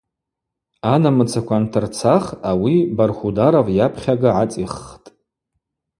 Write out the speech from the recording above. Анамыцаква антырцах ауи Бархударов йапхьага гӏацӏиххтӏ.